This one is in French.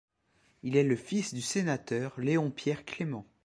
Il est le fils du sénateur Léon Pierre Clément.